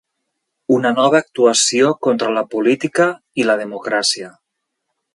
Una nova actuació contra la política i la democràcia.